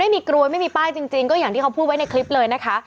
ไม่มีกรวยไม่มีป้ายจริงก็อย่างที่เขาพูดไว้ในคลิปเลยนะคะ